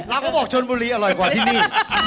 เขาบอกชนบุรีอร่อยกว่าที่นี่